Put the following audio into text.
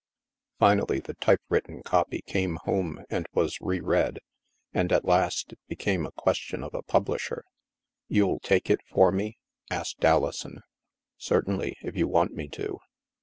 Finally, the typewritten copy came home and was re read and, at last, it became a question of a pub lisher. " You'll take it for me ?" asked Alison. " Certainly, if you want me to."